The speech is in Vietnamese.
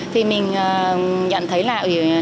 thì mình nhận thấy là